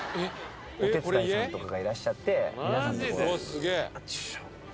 お手伝いさんとかがいらっしゃって皆さんとここで。